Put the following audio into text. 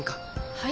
はい？